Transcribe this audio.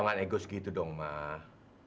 jangan ego segitu dong mah